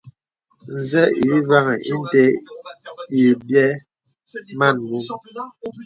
Nzə̄ ǐ vaŋì inde ǐ byɛ̌ man mom.